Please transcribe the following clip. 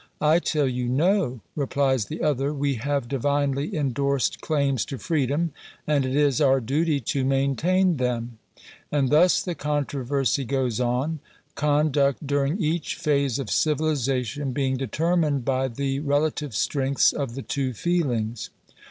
" I tell you, no," replies the other; " we have "Divinely endorsed claims to freedom, and it is our duty to maintain them." And thus the controversy goes on : conduct during each phase of civilization being determined by the re lative strengths of the two feelings.